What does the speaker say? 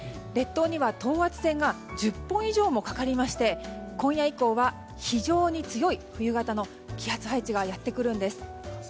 列島には等圧線が１０本以上もかかりまして今夜以降は非常に強い冬型の気圧配置がやってくるんです。